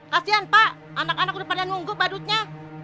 kasian pak anak anak udah pada nunggu badutnya